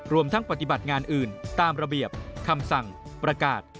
รวมทั้งปฏิบัติงานอื่นตามระเบียบคำสั่งประกาศ